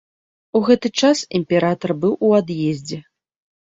У гэты час імператар быў у ад'ездзе.